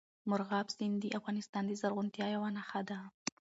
مورغاب سیند د افغانستان د زرغونتیا یوه نښه ده.